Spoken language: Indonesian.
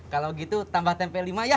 kalau gitu tambah tempe lima ya